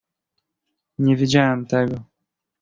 "Nie wiedziałem tego."